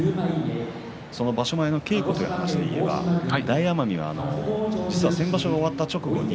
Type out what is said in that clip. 場所前の稽古という話では大奄美は先場所終わった直後